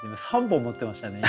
３本持ってましたね